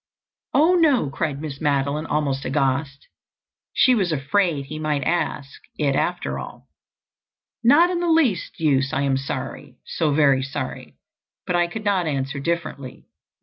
"Oh, no," cried Miss Madeline almost aghast. She was afraid he might ask it after all. "Not in the least use. I am sorry—so very sorry—but I could not answer differently.